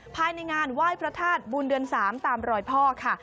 ภายในงานไหว้พระธาตุบุญเดือน๓ตามรอยพ่อค่ะ